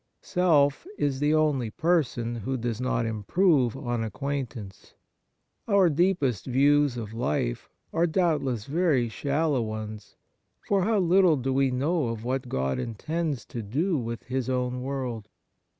Self is the only person who does not improve on acquaintance. Our deepest views of life are doubtless very shallow 4—2 52 Kindness ones, for how little do we know of what God intends to do with His own world